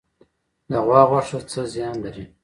د غوا غوښه څه زیان لري؟